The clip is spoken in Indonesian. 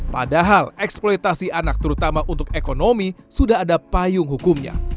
padahal eksploitasi anak terutama untuk ekonomi sudah ada payung hukumnya